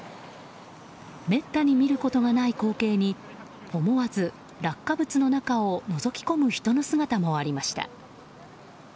めったに見ることがない光景に思わず落下物の中をのぞき込む人の姿もありました。